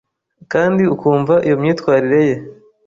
kandi ukumva iyo myitwarire ye